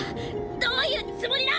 どういうつもりだ